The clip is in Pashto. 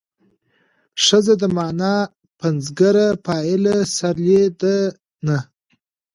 ښځه د مانا پنځګره فاعله سرلې ده نه